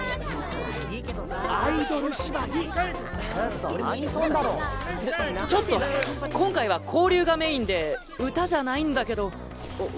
ちょちょっと今回は交流がメインで歌じゃないんだけど。